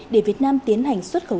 để việt nam tiến hành xuất khẩu